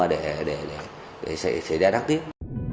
để xảy ra đắc tiết